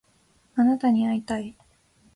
あなたに会いたい